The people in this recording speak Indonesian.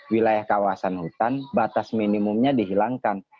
wilayah kawasan hutan batas minimumnya dihilangkan